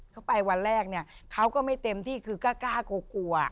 เขาไปวันแรกเนี่ยเขาก็ไม่เต็มที่คือกล้ากลัวกลัว